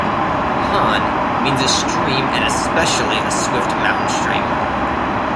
"Hanne" means a stream and especially a swift mountain stream.